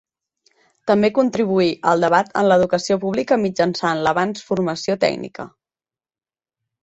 També contribuí al debat en l'educació pública mitjançant l'avanç formació tècnica.